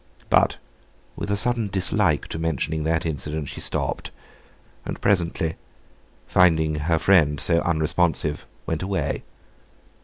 But, with a sudden dislike to mentioning that incident, she stopped; and presently, finding her friend so unresponsive, went away.